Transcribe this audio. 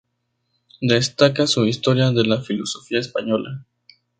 Destaca su "Historia de la Filosofía española.